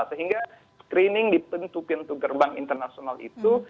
sehingga screening di pintu pintu gerbang internasional itu